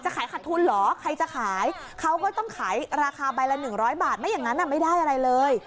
ขายขัดทุนเหรอใครจะขายเขาก็ต้องขายราคาใบละ๑๐๐บาทไม่อย่างนั้นไม่ได้อะไรเลย